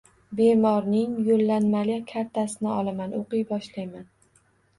Bemorning yo`llanmali kartasini olaman, o`qiy boshlayman